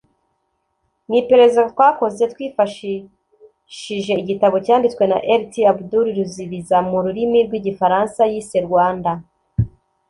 Mu iperereza twakoze twifashishije igitabo cyanditswe na Lt Abdoul Ruzibiza mu rurimi rw’igifaransa yise “Rwanda